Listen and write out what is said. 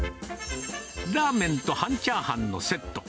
ラーメンと半チャーハンのセット。